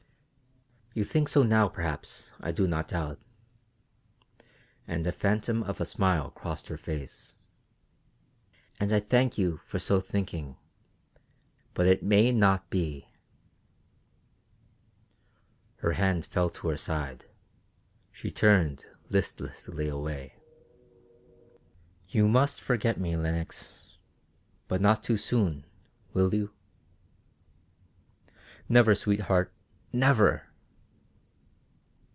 You think so now, perhaps, I do not doubt" and a phantom of a smile crossed her face "and I thank you for so thinking, but it may not be." Her hand fell to her side, and she turned listlessly away. "You must forget me, Lenox but not too soon, will you?" "Never, sweetheart never!"